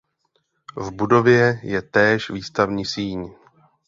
V budově je též výstavní síň.